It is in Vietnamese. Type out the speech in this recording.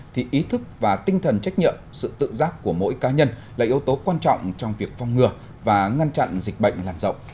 thì ý thức và tinh thần trách nhiệm sự tự giác của mỗi cá nhân là yếu tố quan trọng trong việc phong ngừa và ngăn chặn dịch bệnh làn rộng